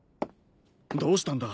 どうしたんだ？